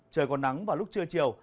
trời còn nắng vào lúc trưa chiều